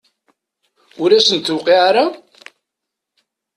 Ur asen-d-tuqiɛ ara?